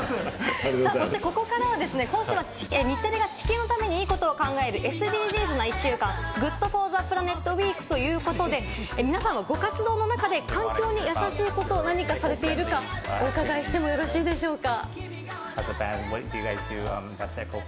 ここからは、今週は、日テレが地球のためにいいことを考えるＳＤＧｓの１週間、ＧｏｏｄＦｏｒＴｈｅＰｌａｎｅｔウィークということで、皆さん、ご活動の中で環境に優しいことは何かされているか、お伺いしてよろしいですか？